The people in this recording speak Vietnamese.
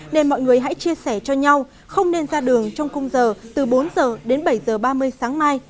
nên mọi người hãy chia sẻ cho nhau không nên ra đường trong khung giờ từ bốn h đến bảy h ba mươi sáng mai